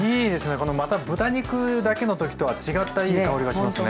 このまた豚肉だけのときとは違ったいい香りがしますね。ね